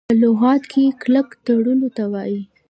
په لغت کي کلک تړلو ته وايي .